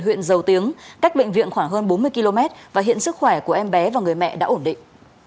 huyện dầu tiếng cách bệnh viện khoảng hơn bốn mươi km và hiện sức khỏe của em bé và người mẹ đã ổn định